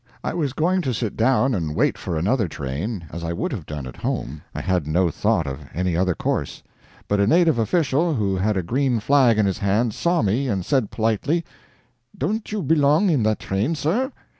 I was going to sit down and wait for another train, as I would have done at home; I had no thought of any other course. But a native official, who had a green flag in his hand, saw me, and said politely: "Don't you belong in the train, sir?"